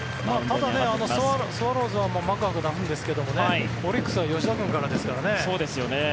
ただ、スワローズはマクガフを出すんですけどオリックスは吉田君からですからね。